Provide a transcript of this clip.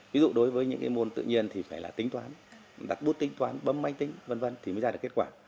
ví dụ đối với những môn tự nhiên thì phải là tính toán đặt bút tính toán bấm máy tính v v thì mới ra được kết quả